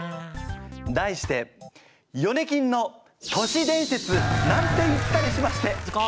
題して「ヨネキンの年伝説」なんて言ったりしまして。